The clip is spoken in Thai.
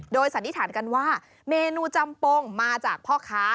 สันนิษฐานกันว่าเมนูจำปงมาจากพ่อค้า